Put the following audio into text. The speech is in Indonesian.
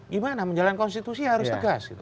gimana menjalankan konstitusi harus tegas gitu